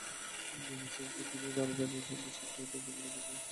দুই মাসের ছুটি নিয়ে জানুয়ারির দ্বিতীয় সপ্তাহে তাঁর দেশে ফেরার কথা ছিল।